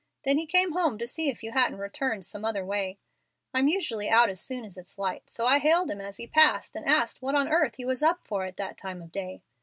Then he came home to see if you hadn't returned some other way. I'm usually out as soon as it's light, so I hailed him as he passed and asked what on earth he was up for at that time of day.